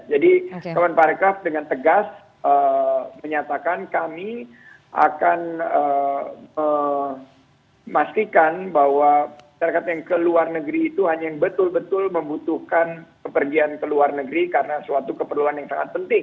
jadi teman teman parikraf dengan tegas menyatakan kami akan memastikan bahwa serikat yang ke luar negeri itu hanya yang betul betul membutuhkan kepergian ke luar negeri karena suatu keperluan yang sangat penting